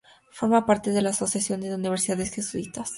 Forma parte de la Asociación de Universidades Jesuitas.